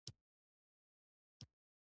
د شپږ ساعته ځنډ له امله بېزاره شوو.